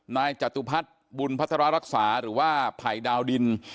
จตุพัฒน์บุญพัฒนารักษาหรือว่าภัยดาวดิน